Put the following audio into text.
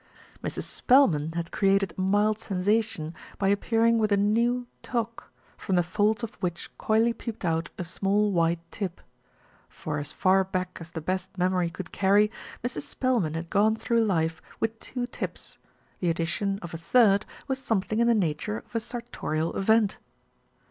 Mrs. Spelman had created a mild sensation by ap pearing with a "new" toque, from the folds of which coyly peeped out a small white tip. For as far back as the best memory could carry, Mrs. Spelman had jgone through life with two tips; the addition of a third was something in the nature of a sartorial event.